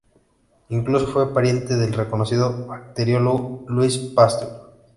Incluso fue pariente del reconocido bacteriólogo Louis Pasteur.